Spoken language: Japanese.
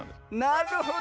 なるほど。